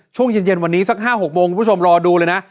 ช่วงเย็นวันนี้สัก๕๖โมงคุณผู้ชมรอดูเลยนะ